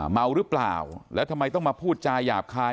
เมาหรือเปล่าแล้วทำไมต้องมาพูดจาหยาบคาย